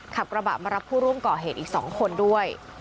ขับกระบะมารับผู้ร่วมก่อเหตุอีก๒คนด้วย